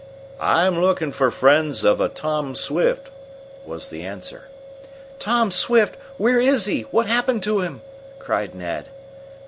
"I'm looking for friends of a Tom Swift," was the answer. "Tom Swift? Where is he? What's happened to him?" cried Ned.